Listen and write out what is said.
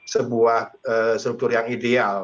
sebuah struktur yang ideal